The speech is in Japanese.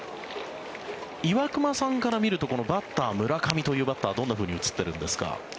岩隈さんから見るとこのバッター村上というバッターはどんなふうに映ってるんですか？